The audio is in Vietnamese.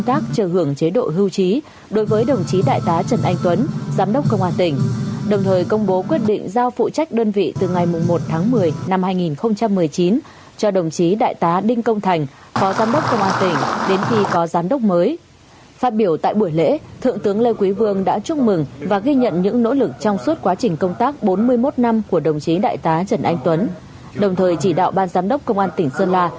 tại buổi lễ thượng ủy quyền chủ tịch nước thượng tướng lê quý vương đã trao huân chương bảo vệ tổ quốc hạng nhì cho đồng chí đại tá trần anh tuấn giám đốc công an tỉnh sơn la